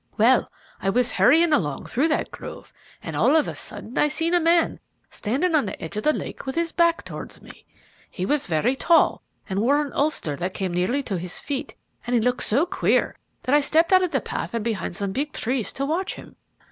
Well, I was hurrying along through that grove, and all of a sudden I seen a man standing on the edge of the lake with his back towards me. He was very tall, and wore an ulster that came nearly to his feet, and he looked so queer that I stepped out of the path and behind some big trees to watch him.